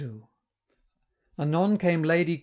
Anon came Lady K.